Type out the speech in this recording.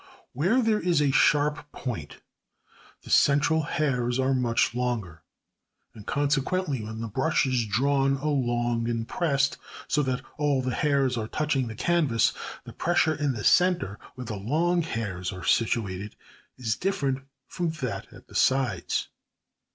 Where there is a sharp point the central hairs are much longer, and consequently when the brush is drawn along and pressed so that all the hairs are touching the canvas, the pressure in the centre, where the long hairs are situated, is different from that at the sides.